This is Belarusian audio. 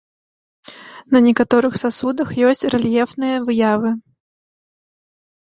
На некаторых сасудах ёсць рэльефныя выявы.